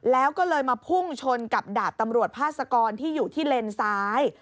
แล้วก็เลยมาพุ่งชนกับดาบตำรวจพาสกรที่อยู่ที่เลนซ้าย